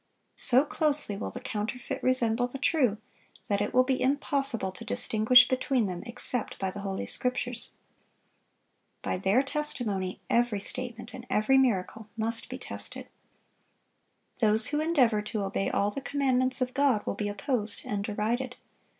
So closely will the counterfeit resemble the true, that it will be impossible to distinguish between them except by the Holy Scriptures. By their testimony every statement and every miracle must be tested. Those who endeavor to obey all the commandments of God will be opposed and derided.